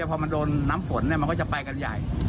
พอมันโดนน้ำฝนมันก็จะไปกันใหญ่